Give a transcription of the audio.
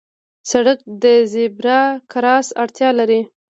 سړک د زېبرا کراس اړتیا لري.